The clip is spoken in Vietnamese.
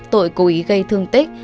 tội cố ý gây thương tích